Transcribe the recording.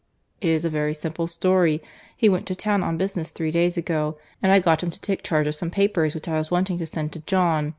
"It is a very simple story. He went to town on business three days ago, and I got him to take charge of some papers which I was wanting to send to John.